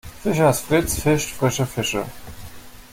Fischers Fritz fischt frische Fische.